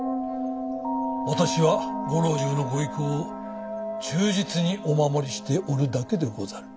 私はご老中のご意向を忠実にお守りしておるだけでござる。